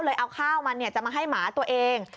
เอาข้าวมันจะมาให้หมาตัวเอง